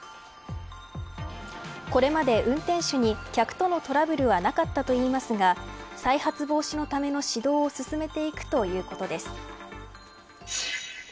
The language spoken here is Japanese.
これまで運転手に客とのトラブルはなかったといいますが再発防止のための指導を進めていくということです。